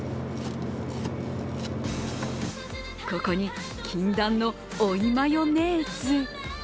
ここに、禁断の追いマヨネーズ。